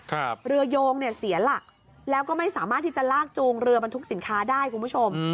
เรือโยงเนี่ยเสียหลักแล้วก็ไม่สามารถที่จะลากจูงเรือบรรทุกสินค้าได้คุณผู้ชม